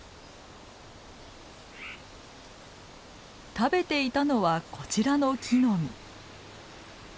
食べていたのはこちらの木の実。